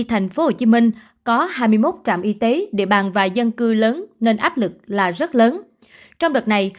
tp hcm có hai mươi một trạm y tế địa bàn và dân cư lớn nên áp lực là rất lớn trong đợt này